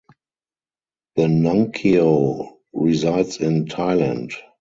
The nuncio resides in Thailand.